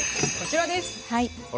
こちらです！